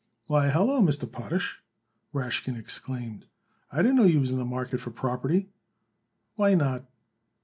"Why, hallo, Mr. Potash," Rashkin exclaimed. "I didn't know you was in the market for property." "Why not?"